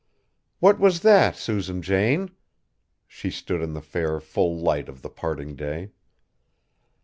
"What was that, Susan Jane?" She stood in the fair full light of the parting day.